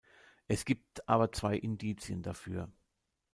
Es gibt aber zwei Indizien dafür.